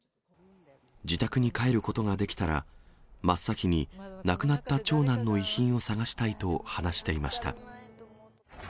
自宅に帰ることができたら、真っ先に亡くなった長男の遺品を探したいと話していました。